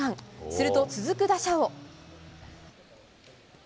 すると、続く打者を。